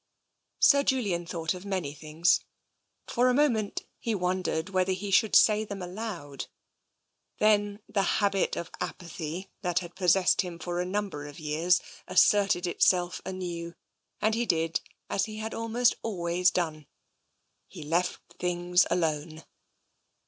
Sir Julian thought of many things. For a moment he wondered whether he should say them aloud. Then the habit of apathy that had possessed him for a num ber of years asserted itself anew, and he did as he had almost always done — he left things alone.